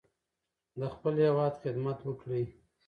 د خپل هیواد خدمت وکړئ.